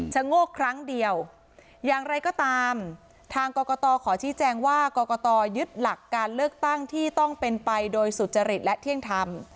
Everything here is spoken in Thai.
โงกครั้งเดียวอย่างไรก็ตามทางกรกตขอชี้แจงว่ากรกตยึดหลักการเลือกตั้งที่ต้องเป็นไปโดยสุจริตและเที่ยงธรรม